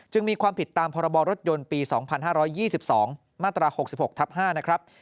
จึงมีความผิดตามพรยปี๒๕๒๒มาตรา๖๖ทับ๕